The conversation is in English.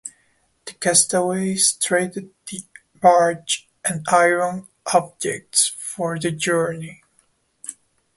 The castaways traded the barge and iron objects for the journey.